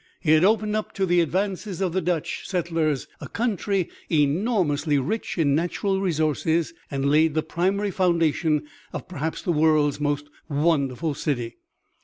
He had opened up to the advances of the Dutch settlers a country enormously rich in natural resources and laid the primary foundation of perhaps the world's most wonderful city.